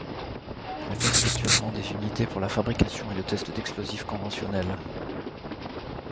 Elle possède actuellement des unités pour la fabrication et le test d'explosifs conventionnels.